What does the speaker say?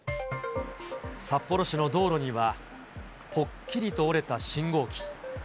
札幌市の道路にはぽっきりと折れた信号機。